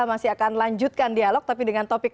masih akan lanjutkan dialog tapi dengan topik